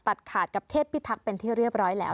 ตัดขาดกับเทพิทักษ์เป็นที่เรียบร้อยแล้ว